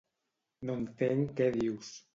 No entenc què dius.